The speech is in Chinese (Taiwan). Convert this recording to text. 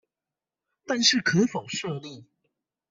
但是可否設立